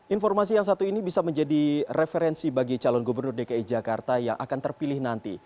informasi yang satu ini bisa menjadi referensi bagi calon gubernur dki jakarta yang akan terpilih nanti